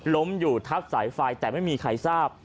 ล้มอยู่ทับสายไฟแต่ไม่มีใครทราบ